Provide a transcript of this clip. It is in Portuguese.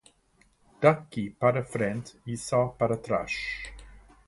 Daqui para frente é só para trás.